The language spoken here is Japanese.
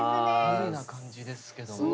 無理な感じですけども。